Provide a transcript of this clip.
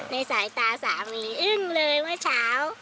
ในสายตาสามีอึ้งเลยเมื่อเช้า